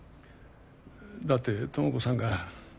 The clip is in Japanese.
だって知子さんが。